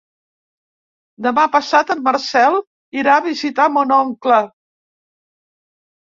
Demà passat en Marcel irà a visitar mon oncle.